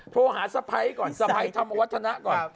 โทรหาสะพ้ายก่อนสะพายที่ทำอวัฒนะนักล่ะ